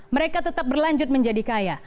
mereka tetap berlanjut menjadi kaya